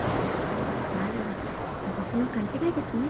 なら私の勘違いですね。